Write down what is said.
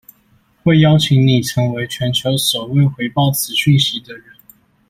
會邀請你成為全球首位回報此訊息的人